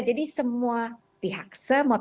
jadi semua pihak